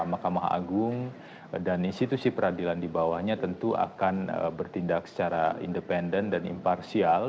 mahkamah agung dan institusi peradilan di bawahnya tentu akan bertindak secara independen dan imparsial